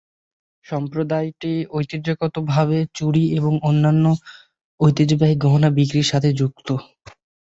সম্প্রদায়টি ঐতিহ্যগতভাবে চুড়ি এবং অন্যান্য ঐতিহ্যবাহী গহনা বিক্রির সাথে যুক্ত।